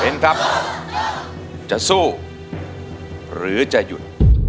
ครับจะสู้หรือจะหยุด